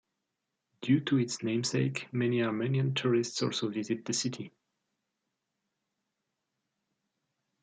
Due to its namesake, many Armenian tourists also visit the city.